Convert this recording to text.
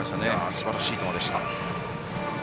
すばらしい球でした。